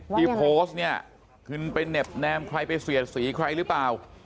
ที่โพสต์เนี่ยคุณไปเหน็บแนมใครไปเสียดสีใครหรือเปล่า